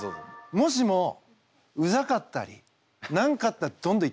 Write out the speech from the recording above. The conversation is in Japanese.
もしもうざかったり何かあったらどんどん言ってよ。